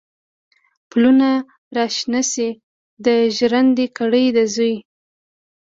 پلونه را شنه شي، د ژرند ګړی د زوی